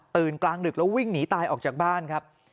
กลางดึกแล้ววิ่งหนีตายออกจากบ้านครับ